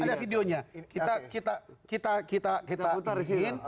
ada videonya kita putar disini